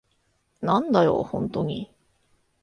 なんだよ、ホントに。